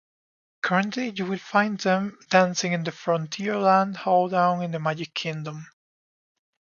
Currently, you will find them dancing in the Frontierland Hoedown in the Magic Kingdom.